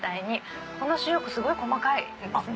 この塩ってすごい細かいですね。